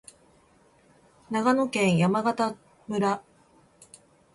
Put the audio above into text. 長野県山形村